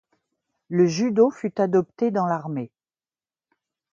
Le Judo fut adopté dans l'Armée.